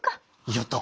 やった！